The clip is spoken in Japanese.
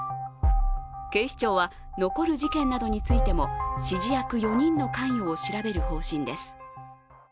警視庁は残る事件などについても指示役４人の関与を調べる方針です。